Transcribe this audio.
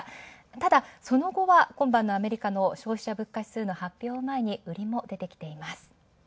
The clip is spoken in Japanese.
ただ、その後は、今晩のアメリカの消費者物価指数の発表を前に売りも出てきています。